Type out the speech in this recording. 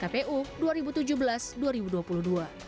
kepala komisi kpu